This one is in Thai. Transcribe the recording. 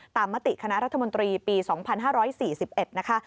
มติคณะรัฐมนตรีปี๒๕๔๑นะคะ